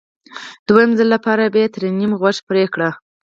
د دویم ځل لپاره به یې ترې نیم غوږ پرې کړ